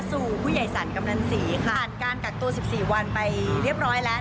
ผู้ใหญ่สรรกำนันศรีค่ะผ่านการกักตัว๑๔วันไปเรียบร้อยแล้ว